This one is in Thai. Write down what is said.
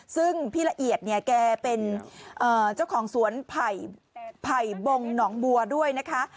ซึ่งพี่ละเอียดเนี่ยแกเป็นเจ้าของสวนไผ่บงหนองบัวด้วยนะคะ